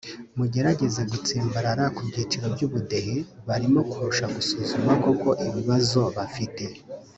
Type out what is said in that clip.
mugerageze kudatsimbarara ku byiciro by’Ubudehe barimo kurusha gusuzuma koko ibibazo bafite